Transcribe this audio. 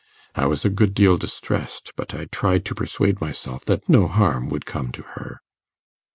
I was a good deal distressed, but I tried to persuade myself that no harm would come to her.